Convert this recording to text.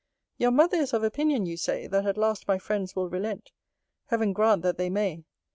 Your mother is of opinion, you say, that at last my friends will relent. Heaven grant that they may!